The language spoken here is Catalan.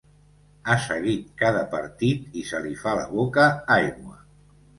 Ha seguit cada partit i se li fa la boca aigua.